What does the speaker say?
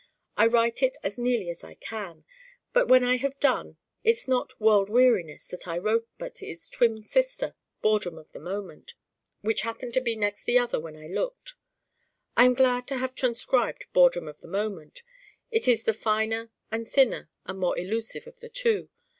I write it as nearly as I can. But when I have done it's not World Weariness that I wrote but its twin sister, Boredom of the Moment, which happened to be next the other when I looked. I am glad to have transcribed Boredom of the Moment. It is the finer and thinner and more elusive of the two.